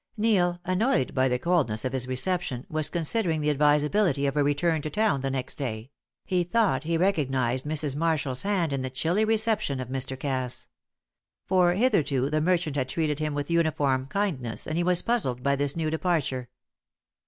Neil, annoyed by the coldness of his reception, was considering the advisability of a return to town the next day; he thought he recognised Mrs. Marshall's hand in the chilly reception of Mr. Cass. For hitherto the merchant had treated him with uniform kindness, and he was puzzled by this new departure.